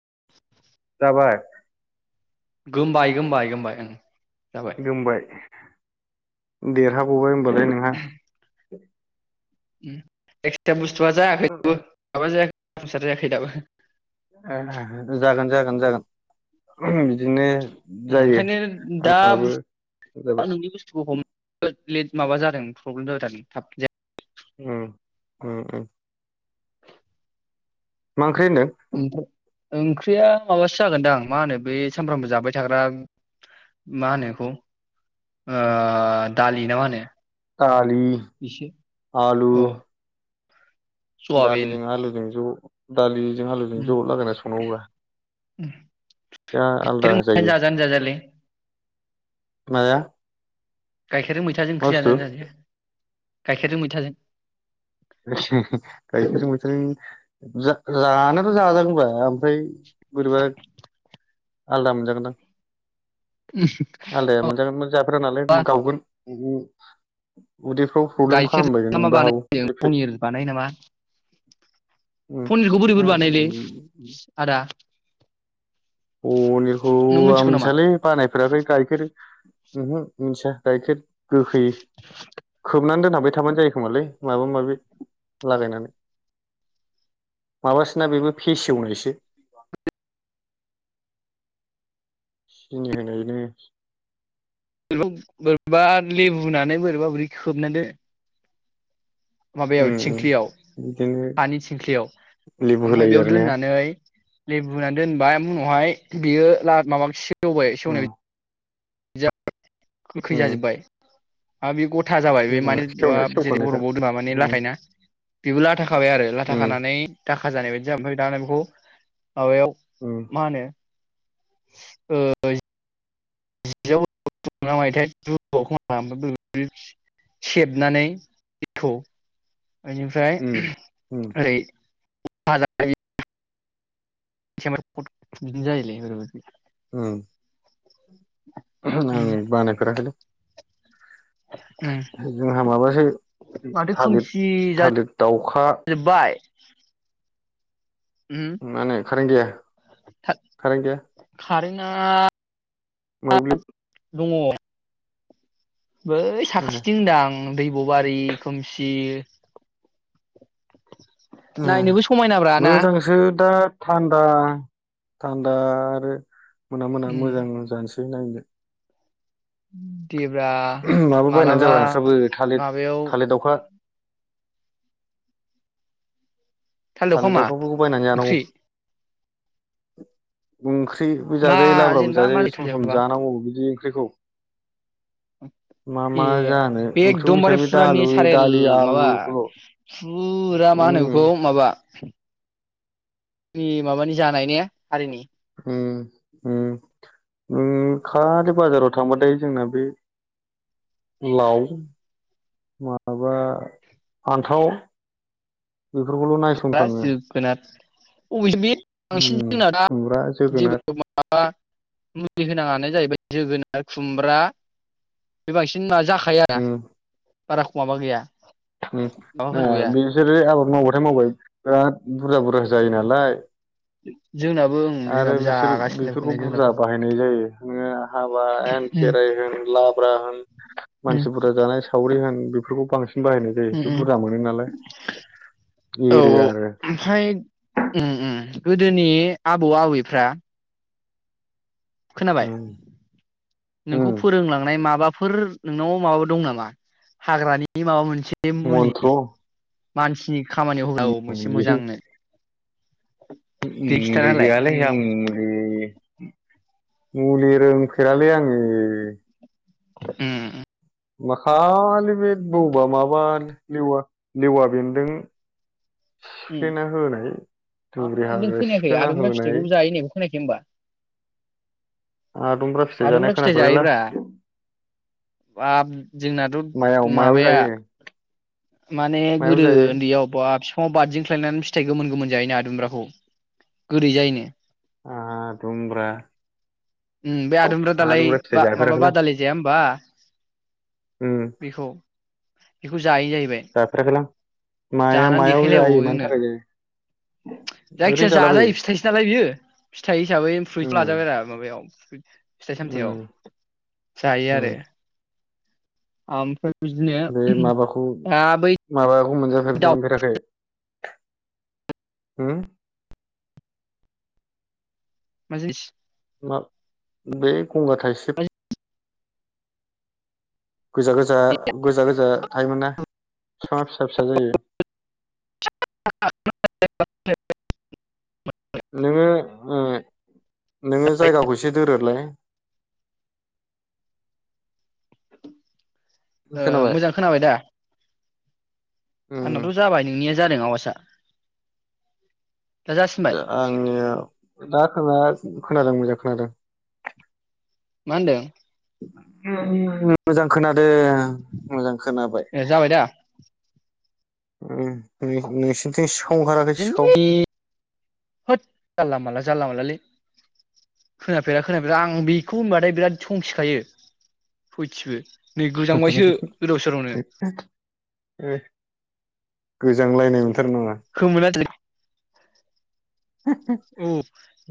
[inaudible] जाबाय गोमबाय गोमबाय गोमबाय ओं जाबाय गोमबाय देरहा ग'बाय ओम बालाय नोंहा [inaudible] [unintelligible] बुथुआ जायाखै [unintelligible] माबा जायाखै [unintelligible] जायाखै दाबो ओ जागोन जागोन जागोन जागोन बिदिनो उम जायो ओंखायनो दा आंनाबो बुस्थुआ जाबाय नोंनि बुस्थुखौ हमनो लेट माबा जादों प्रब्लेम जादों थाब जाया उम उम उम मा ओंख्रि होनदो ओमफ्राय ओंख्रिया माबासो जागोनदां मा होनो बे सानफ्रामबो जाबाय थाग्रा मा होनो बेखौ ओ दालि ना मा होनो दालि एसे आलु औ सवाबिन दालिजों आलुजों ज' दालि जों आलुजों उम जौ लगायना संनांगौ ब्रा उम दा आलादा गाइखेरजों मैथाजों जायो जाजानो जाजायालै माया गाइखेरजों मैथाजों ओंख्रि बुस्थु जाजायोनो जाजाया गाइखेरजों मैथाजों गाइखेर मैथों जा-जानोथ' जाजागोनबा ओमफ्राय बोरैबा आलदा मोनजागोनदां उम आलदाया मोनजागोन ओमफ्राय जाफेरा नालाय मा गावगोन [inaudible] उदैफ्राव प्रब्लेम खालामबायगोन गाइखेरजों मा नोबो हागौ बानायो एफेक्ट पनिर बानाय नामा पनिरखौ बोरै बोरै बानायलै पनिरखौ आदा [unintelligible] पनिरखौ नों आं मिथिगौ नामा? मिथियालै बानायफोराखै गायखेर उमहो मिथिया गायखेर गोखै खोबनानै दोनाब बाय थाबानो जायो खोमालै माबा माबि लागायनानै माबसोना बेबो फेसेवनायसो [unintelligible] बा बोरैबा लेबुनानै बोरैबा बोरै खोबना दो माबायाव उम थिंख्लियाव बिदिनो हानि थिंख्लियाव लेबु ओमफफ्राय होलायो बेयाव आरो ने दोननानै लेबु होनानै दोनबाय उनावहाय बियो ला माबा सेवबाय उम सेवनाय जा गोखै उम जाजोबबाय हा बे गथा जाबाय बे सेवना माने सेवनाया जेरै सेवखानायखा बरफ बाव दा माने उम उम लाथायना बेबो लाथा खाबाय आरो लाथा खानानै खाजानाय बायदि जाबाय ओमफ्राय दा बेखौ माबायाव उम मा होनो ओ [inaudible] सेबनानै दैखौ बेनिफ्राय उम उम ओरै [inaudible] [inaudible] [unintelligible] उम [inaudible] उम आं बानायफेरा खैलै उम जोंहा माबासो माथो थालिर खोमसि थालिर दाउखा जाजोब्बाय [inaudible] उम मानो खारेन गैया खारें गैया कारेन्टआ मोब्लिब दङ बै साखाथिथिं होनदां दैब'बारि खोमसि ए नायनोबो समायनाब्रा ना मोजांसो दा थान्दा थान्दा आरो मोना मोना उम मोजां जानोसै दोननांगो उम माबा बायनानै जाब्रा नोंस्राबो थालिर माबायाव थालिर दावखा थाल थालिर एवखामा दाउखा'फोरखौ बायनानै जानांगौ ओंख्रि ओं ख्रिबो मा जाजायो लाब्राबो जेनेबा मारै जाजायो थाल सम सम एवखोबा जानांगौ बिदि बेखौ ए बे ओंख्रिखौ एकदमबारे बेसेबां बे फुरा दालु नेसारेल दालि माबा आलुखौल' फुरा मा होनो उम बेखौ माबा जोंनि माबानि जानाय ने हारिनि उम उम उम खालि बाजाराव थांबाथाय जोंना बे लाव माबा फानथाव खुमब्रा जोगोनार अबे जों बे बांसिन उम जोगोनाद दा खुमब्रा जोगोनार जेबो माबा होनाङा जाहैबाय जोगोनार खुमब्रा बे बांसिन जाखाया बारा खु माबा गैया उय माबा ओ होनांगौ गैया बिसोरो आबाद मावबाथाय मावबाय बिराद बुरजा बुरजा जायो नालाय [inaudible] ओं आरो जोंनाबो बिसोर जागासिनो बेफोरखौ बेखौनो बुरजा जोंनाबो बाहायनाय जायो नोङो हाबा एन उम खेराइ होन लाब्रा होन उम मानसिफोरा जानाय सावरि होन बेफोरखौ बांसिन बाहायनाय जायो उम बेखौ बुरजा मोनो नालाय औ एरो आरो ओमफ्राय उम उम गोदोनि आबौ आबैफ्रा खोनाबाय उम नोंखौ उम फोरोंलांनाय माबा फोर नोंनाव माबा दं नामा हाग्रानि माबा मोन से मुलि मन्थ्र मानसिनि खामानियाव होग्रा औ मोनसे मुलि मोजांनो दे खिथाना मुलि होलाय गैयालै आं मुलि मुलि रोंफेरालै आंङो दे उम माखालि बे बौबा माबा लेवा लेवा बेनदों उ आरोनों हाग्रा खोनायाखै सिफ्लेना आदुमग्रा होनाय फिथाइखौबो जायो होननायखौ खोनायाखै होमबा आदुमब्रा जानाय आदुमग्रा फिथाइ खोनाफेरबायलै जायोब्रा बाब जोंनाथ' मायाव मायाव माबाया जायो माने मायाव गोदो जायो उन्दैयाव बि फाङाव बारदिंख्लायनानै फिथाइ गोमोन गोमोन जायोना आदुमब्राखौ गोदै जायोनो आदुमब्रा उम बे आदुमब्रा दालाय फिथाइ बा माबा जाफेराखैलां बादालि जाया होमबा उम बेखौ बेखौ जायो जाहैबाय जाफेराखैलां माया जानानै मायाव देखायलायबावो जायो मानि जोंनो थाखाय जायो ओरैनो जायखिजाया जालाबायो जाजायो फिथाइसो नालाय बियो फिथाइ हिसाबै [unintelligible] उम लाजाबाय आरो माबायाव बि फिथाइ सामथाइ आव उम जायो आरो उम आमफाय बे माबाखौ माबा दाउ मोनजाफेरदोंना फेराखै होम मा जिनिस मा बे गंगार ओ थाइसिब गोजा गोजा गोजा गोजा थायोमोन ना बिफाङा फिसा फिसा जायो [unintelligible] नोङो नोङो जायगाखौै एसे दोरोदलाय ओ मोजां खोनाबाय दा उम आंनाथ' जाबाय नोंनिया जादों आवासा आङो दा खोना खोनादों मोजां खोनादों मा होनदों मोजां खोना दे मोजां खोनाबाय ए जाबाय दा ओम नोंसिनिथिं ओंखाराखै सिखाव [unintelligible] होत जानला मोनला जानला मोनलालै खोनाफेरा खोनाफेरा आं बेखौ होनबाथाय बिराद संखिखायो सयथिबो नै गोजांबायसो गोदाव सोरावनो ए गोजांलायनाय मोनथारो नामा खोमोन औ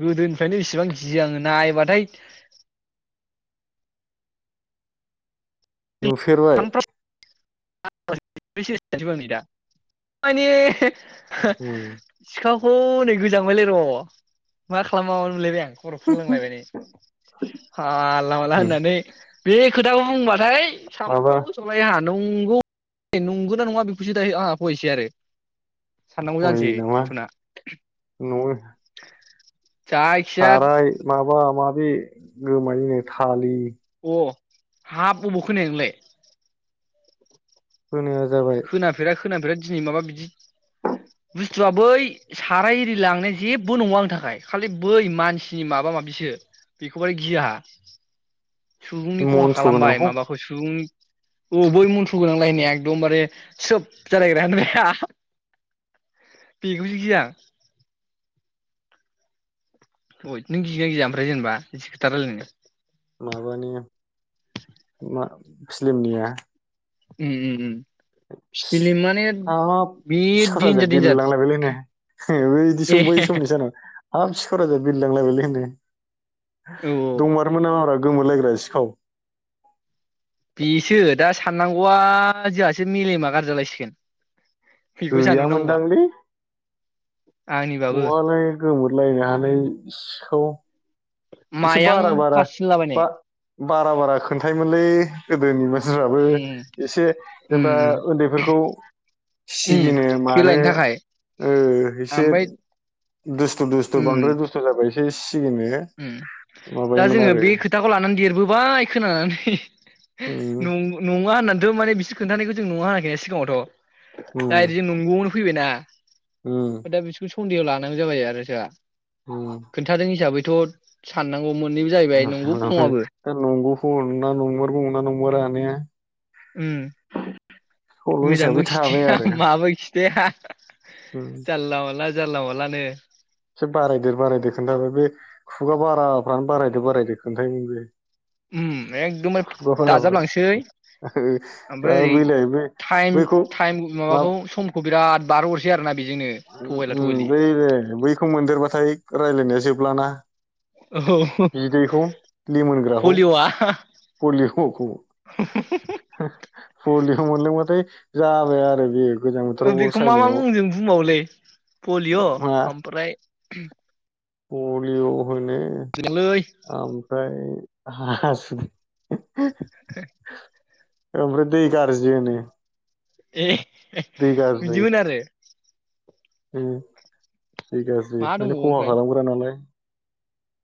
गोदोनि बिसिबां गियो आङो नायबाथाय नुफेरबाय [unintelligible] उम सिखाव हनै गोजांबायलै र' मा खालामनो मा मानो मोनलायबाय आं खर'फोर खुरनांलायबाय नै जानला मोनला उम होननानै बे खोथाखौ बुंबाथाय साम माबा [unintelligible] नंगौ नंगौना नङा बेखौसे दायो आंहा [unintelligible] फायसै आरो साननांगौ अय जानोसै नामा टेनसना नआवनो जायखिजाया साराय माबा माबि बे गोमायनो थालिर अ हाब अबाव खोनाया नोलाय [unintelligible] खोना फेरा खोना फेरा दिनै माबा बिदि बुस्थुआ बै साराय इरि लांनाया जेबो नङा आंनि थाखाय खालि बै मानसिनि माबा माबिसो बेखौ बाराय गियो आहा सुबुंनि खहा मन्थ्र खालामबाय गोनांखौ माबाखौ सुबुंनि औ बै मन्थ्र गोनांलायनाया एकदमबारे सब जालायग्रा होननायाया बेखौसो गियो आं अ नों गियोना गिया ओमफ्राय जेनेबा बिदि खोथा रायलायनो माबानि फिलिमनिया उम उम फिलिम माने हाब बे सिखाव राजाया देन्जार देन्जार बिरलांलायबायलै नै इबो इदिसो ए बै समनि सानाव हाब सिखाव राजाया बिरलांलायबायलै होनो औ दंमारोमोन नामाब्रा गोमोलायग्रा सिखाव बेसो दा साननांगौआ जोंहासो मेलेमा गारजि जालायसिगोन बेखौ सानहरनांगौबा गैयामोनदांलै आंनिबाबो बहालाय गोमोरलानो‌ हानाय [unintelligible] औ मायखं फास होनलाबायनाय बा बारा बारा खोन्थायोमोनलै गोदोनि मानसि उम एसे जेनेबा उम उन्दैफोरखौ उम सिगिनो मानो खेलायनो थाखाय ओ एसे ओमफ्राय दुस्थु दुस्थु उम बांद्राय दुस्थ' जाबाय एसे सिगिनो दा माबायोमोन जोङो आरो बे खोथाखौ लानानै देरबोबाय खोनानानै उम नङा होननानै था मान बिसोर खिन्थानायखौ जों नुवा‌ होनाखैना सिगाङावथ' उम दा इसोरो नोंगौनो फैबायना उम [unintelligible] सुन्देयाव लानांगौ जाबाय आरो जोंहा खोन्थादों हिसाबै बेथ' साननांगौ नंगौबो नङाबो नंगौ [unintelligible] नंमारा‌ ना उम सल' मोजांबो हिसाबै थाबाय खिथाया आरो माबो खिथाया उम जारला माला जारला मालानो एसे बारायदेर बारायदो खोनथाहरो बे खुगा बाराफ्रानो बारायदो बारायदो खोन्थायोमोन बे उम एकदमबार खुगा बाराफ्रा दाजाबलांसै ओमफ्राय आरो ओरै बैलाय बे थाइम बैखौ टाइम मा माबाखौ समखौ बिराद बारहो हरसै आरो ना उम बै बे बैखौ मोनदेरबाथाय रायज्लायनाया जोबलाना औ बिदैखौ लिमोनग्राखौ पलिअ'आ पलियखौ पलिय मोनलोंबाथाय जाबाय आरो बेयो गोजां बोथोराव अर बेखौ मा मा सायनायाव मुंजों बुंबा पलिअ ओमफ्राय पलिअ मोननै लै ओमफ्राय हा-सुगु [unintelligible] ओमफ्राय दै गाज्रि होनो ए दै गाज्रि बिदिबो होनो आरो [inaudible] उम दै मा गाज्रि माने दंबावो खहा ओमफ्राय खालामग्रा नालाय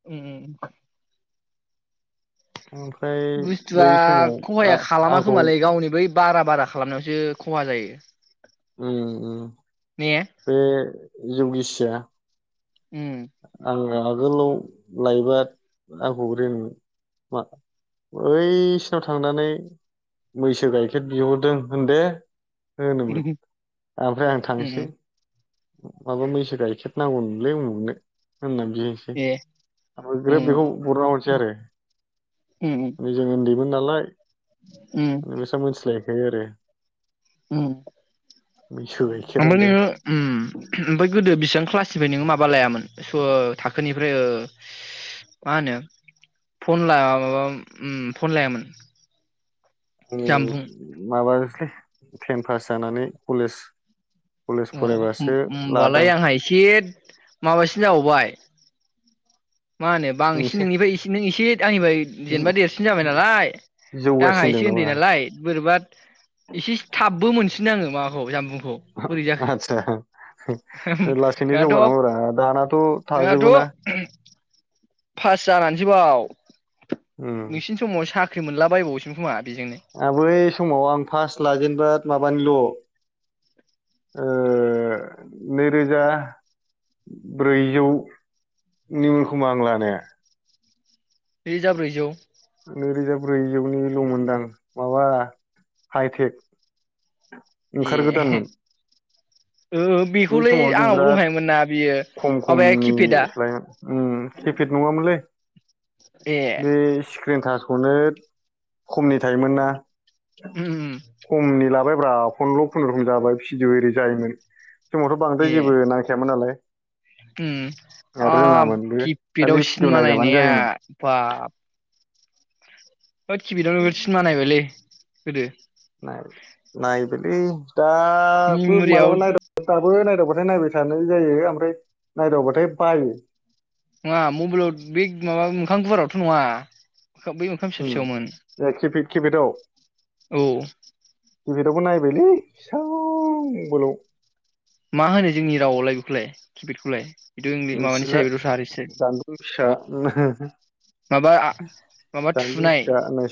उम उम ओमफ्राय बै बुस्थुआ समाव आ खहाया खालाम आंखौ खोमालै गावनि बै बारा बारा खालामनायावसो खहा जायो उम उम ने बे जौ गिसिया उम आंनाव आगोलाव लायबा आंखौ रोन मा अै-सिनाव थांनानै मैसो गाइखेर बिहरदों होन दे होनोमोन उम ओमफ्राय आं थांसै उम माबा मैसो गाइखेर नांगौ नोलै उमुखनो होननानै बिहैसै ए आ उम ग्रोब बेखौ बरनना हरसै आरो उम बे जों ओन्दै मोन नालाय उम बेसा मोनथिलायो खायो आरो उम मैसो गाइखेर ओमफ्राय रानदों नोङो उम ओमफ्राय गोदो बेसिबां क्लास सिबाय नोङो माबा लायामोन थाखोनिफ्राय ओ मा होनो फन लाया उम माबा फन लायामोन आङो जामबुं माबा टेन पास जानानै कलेज कलेज अ फरायबासो लादां होनोमबालाय नोंसोर आंहा एसे माबासिन जाबावबाय मा होनो बा आ एसे नोंनिफ्राय एसे नों एसे आंनिफ्राय जेनबा जि- देरसिन जाबाय जि- नालाय दा आंहा जौगासिनदों एसे नामा उन्दै नालाय बोरैबा एसे थाबबो मोनसि फिनो आङो माखौ जामबुं आदसा लासैनो नोंहाथ' जौगालाङोब्रा दानाथ' नोंहाथ' थाजोबो ना पास जानानैसै बाव उम नोंसिनि समाव सा साख्रि मोनला बायबावोसोमोन खोमा बेजोंनो आ बै समाव आं फास लाजेनबा माबानिल' ओ नैरोजा ब्रैजौनिमोन खोमा आं लानाया नैरोजा ब्रैजौ नैरोजा ब्रैजौनिल' मोनदां माबा हाइटेक ए ओंखार गोदानमोन ओ बेखौलै आंनाव बिराद दंखायोमोन ना बियो खम माबाया खमनि किपेदा लायोमोन उम खेफेट नङामोनलै ए बे स्क्रिनथास खौनो खमनि थायोमोन ना उम उम खमनि लाबाय [unintelligible] फन्दल' फन्द्र'खम जाबाय फिडअ ओरै जायोमोन समावथ' बांद्राय ए जेबो नायखायामोन नालाय उम आरो ओ रोङामोनबो खालि किपिदाव भिडिअ सिनेमा नायजाबानो नायनाया जायोमोन बाब होद किपेदाव बिराद सिनेमा नायबायलै गोदो नाय-नायबायलै दाबो मेम'रियाव मालाबा नायदो [inaudible] दाबो [inaudible] नाय नायदावबाथाय नायबाय थानाय जायो ओमफ्राय नायदावबाथाय बायो नङा मबाइलाव बे माबा मोखां गुवारावथ' नङा बै मोखां फिसा फिसायावमोन केेपेटाव औ केेपेटआवबो नायबायलै फिसा बोलाव मा होनो जोंनि रावआवलाय बेखौलाय किपेडखौलाय बेथ' इंलि माबानिसो मिथिला जाहैबाय दस्रा हारिसो जानबुं फिसा माबा [unintelligible] माबा जानबुं थुनाय फिसा होननां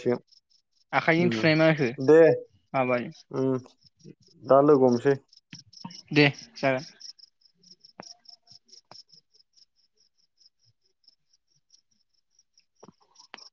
आखाइजों सिगोन थुनाय मा होखो दे माबा ओम दा लोगो हमसै दे जागोन